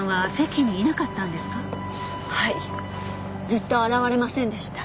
ずっと現れませんでした。